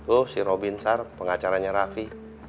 oh si robinsar pengacaranya raffi